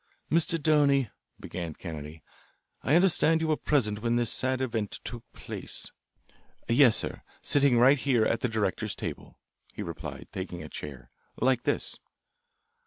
"Mr. Downey," began Kennedy, "I understand you were present when this sad event took place." "Yes, sir, sitting right here at the directors' table," he replied, taking a chair, "like this."